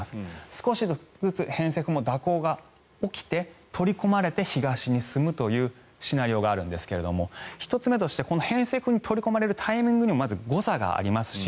少しずつ偏西風も蛇行が起きて取り込まれて、東に進むというシナリオがあるんですが１つ目として偏西風に取り込まれるタイミングにもまず誤差がありますし